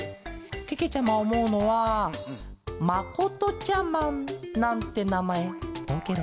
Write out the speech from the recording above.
けけちゃまおもうのはまことちゃマンなんてなまえどうケロ？